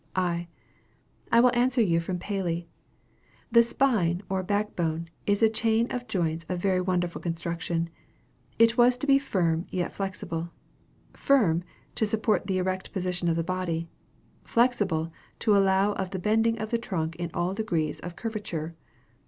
I. I will answer you from Paley: "The spine, or backbone, is a chain of joints of very wonderful construction. It was to be firm, yet flexible; firm, to support the erect position of the body; flexible, to allow of the bending of the the trunk in all degrees of curvature.